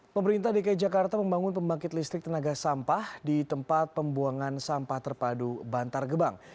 pemerintah dki jakarta membangun pembangkit listrik tenaga sampah di tempat pembuangan sampah terpadu bantar gebang